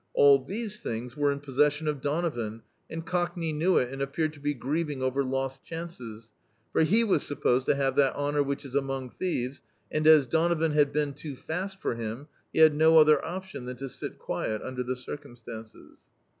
All these things were in possession of Donovan, and Cockney knew it and appeared to be grieving over lost chances; for he was supposed to have that honour which is among thieves, and as Donovan had been too fast for him, he had no other option than to sit quiet under the circumstances.